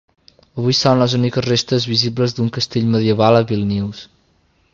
Avui són les úniques restes visibles d'un castell medieval a Vílnius.